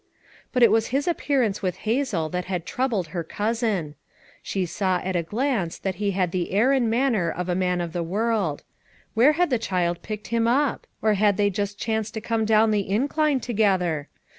But it was his appearance with Hazel that had troubled her cousin. She saw at a glance that he had the air and manner of a man of the world ; where had the child picked him up? Or had they just chanced to come down the in cline together?